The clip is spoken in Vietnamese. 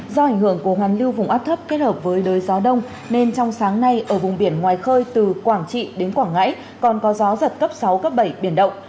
do ảnh hưởng của hoàn lưu vùng áp thấp kết hợp với đới gió đông nên trong sáng nay ở vùng biển ngoài khơi từ quảng trị đến quảng ngãi còn có gió giật cấp sáu cấp bảy biển động